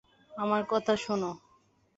আমার কথা শোন।